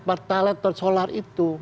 partai terseolar itu